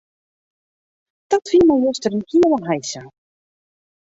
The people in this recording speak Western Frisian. Dat wie my juster in hiele heisa.